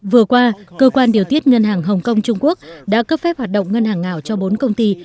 vừa qua cơ quan điều tiết ngân hàng hồng kông trung quốc đã cấp phép hoạt động ngân hàng ảo cho bốn công ty